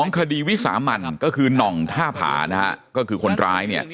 ๒คดีวิสามัญก็คือน่องท่าผ่าก็คือคนร้าย